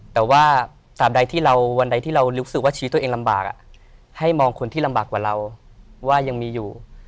แต่ว่าตามใดที่เราวันใดที่เรารู้สึกว่าชีวิตตัวเองลำบากให้มองคนที่ลำบากกว่าเราว่ายังมีอยู่